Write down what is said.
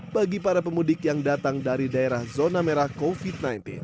bagi para pemudik yang datang dari daerah zona merah covid sembilan belas